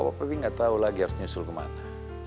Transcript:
pak fi enggak tahu lagi harus nyusul kemana